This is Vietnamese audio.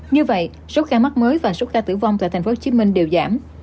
như vậy số ca mắc mới và số ca tử vong tại tp hcm đều giảm